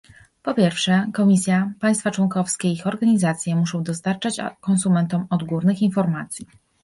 Po pierwsze, Komisja, państwa członkowskie i ich organizacje muszą dostarczać konsumentom odgórnych informacji